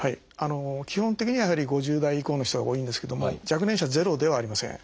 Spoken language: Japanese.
基本的にはやはり５０代以降の人が多いんですけども若年者ゼロではありません。